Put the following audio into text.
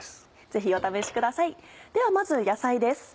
ぜひお試しくださいではまず野菜です。